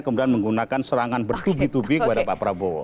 kemudian menggunakan serangan bertubi tubi kepada pak prabowo